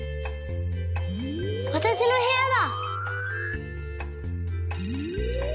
わたしのへやだ！